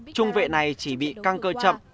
trung vệ này chỉ bị căng cơ chậm